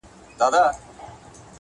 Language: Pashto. وخته! بدبخته! دا څهٔ ډم بادونه ولګېد